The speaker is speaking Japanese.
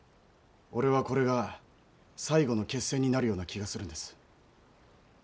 俺はこれが最後の決戦になるような気がするんです。